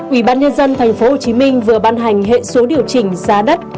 ủy ban nhân dân thành phố hồ chí minh vừa ban hành hệ số điều chỉnh giá đất